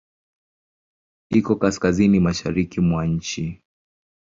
Iko kaskazini-mashariki mwa nchi.